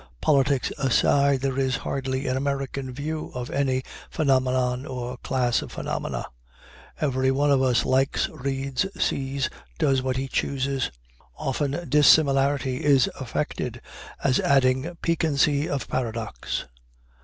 Politics aside, there is hardly an American view of any phenomenon or class of phenomena. Every one of us likes, reads, sees, does what he chooses. Often dissimilarity is affected as adding piquancy of paradox.